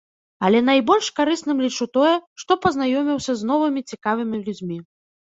Але найбольш карысным лічу тое, што пазнаёміўся з новымі цікавымі людзьмі.